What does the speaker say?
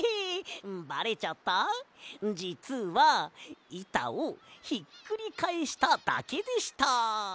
じつはいたをひっくりかえしただけでした。